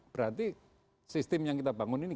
berarti sistem yang kita bangun ini